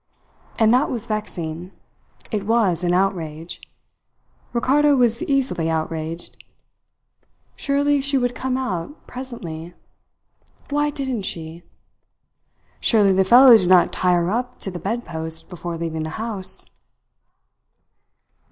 And that was vexing. It was an outrage. Ricardo was easily outraged. Surely she would come out presently! Why didn't she? Surely the fellow did not tie her up to the bedpost before leaving the house!